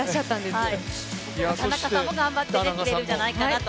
田中さんも頑張ってくれるんじゃないかなと。